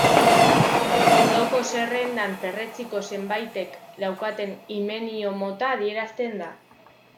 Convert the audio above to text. Ondoko zerrendan perretxiko zenbaitek daukaten himenio-mota adierazten da.